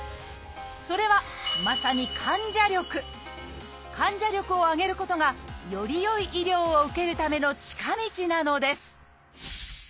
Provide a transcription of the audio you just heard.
それはまさに患者力を上げることがより良い医療を受けるための近道なのです！